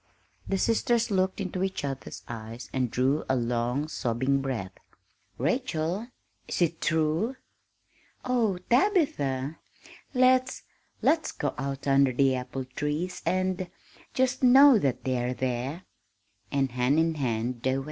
The sisters looked into each other's eyes and drew a long, sobbing breath. "Rachel, is it true?" "Oh, Tabitha! Let's let's go out under the apple trees and just know that they are there!" And hand in hand they went.